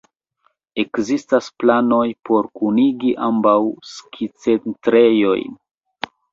Ekzistas planoj por kunigi ambaŭ skicentrejojn.